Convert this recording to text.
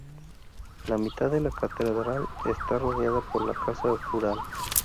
La mitad de la catedral está rodeada por la casa cural.